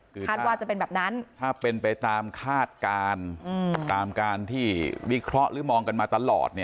คือคาดว่าจะเป็นแบบนั้นถ้าเป็นไปตามคาดการณ์ตามการที่วิเคราะห์หรือมองกันมาตลอด